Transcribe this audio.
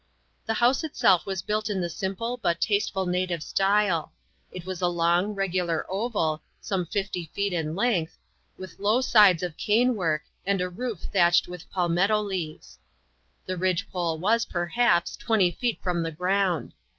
The house itself was built in the simple, but tasteful native style. It was a long, regular oval, some fifty feet in length, with low sides of cane work, and a roof thatched with palmetto leaves. The ridge pole was, perhaps, twenty feet from the ground.